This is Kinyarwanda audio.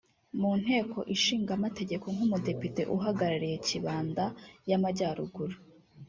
mu nteko ishinga amategeko nk’umudepite uhagarariye Kibanda y’Amajyaruguru